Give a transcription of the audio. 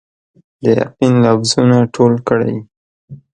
د یقین لفظونه ټول کړئ